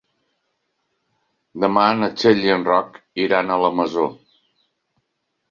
Demà na Txell i en Roc iran a la Masó.